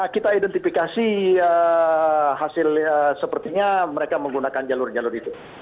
kita identifikasi hasil sepertinya mereka menggunakan jalur jalur itu